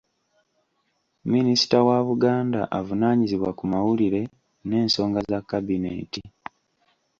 Minisita wa Buganda avunaanyizibwa ku mawulire n'ensonga za Kkabineeti,